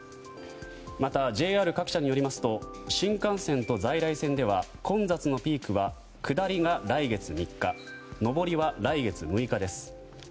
またＪＲ各社によりますと新幹線と在来線では混雑のピークは、下りが来月３日上りは来月６日です。